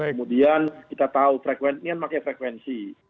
kemudian kita tahu frekuensi ini kan pakai frekuensi